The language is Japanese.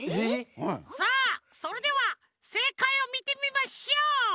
さあそれではせいかいをみてみましょう。